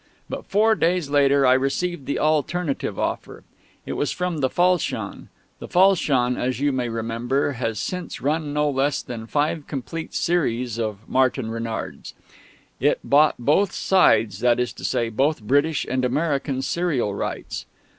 But four days later I received the alternative offer. It was from the Falchion. The Falchion, as you may remember, has since run no less than five complete series of Martin Renards. It bought "both sides," that is to say, both British and American serial rights.